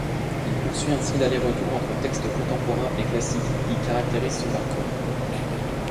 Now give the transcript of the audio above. Il poursuit ainsi l’aller-retour entre textes contemporains et classiques qui caractérise son parcours.